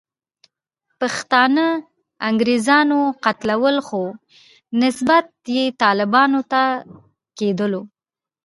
پښتانه انګریزانو قتلول، خو نسبیت یې طالبانو ته کېدلو.